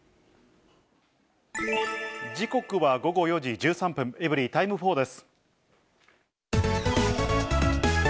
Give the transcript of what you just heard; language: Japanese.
時刻は午後４時１３分、エブリィタイム４です。